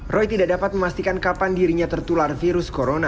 roy tidak dapat memastikan kapan dirinya tertular virus corona